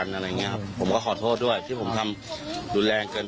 อะไรอย่างเงี้ยครับผมก็ขอโทษด้วยที่ผมทำรุนแรงเกิน